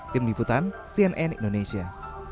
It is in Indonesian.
tim liputan cnn indonesia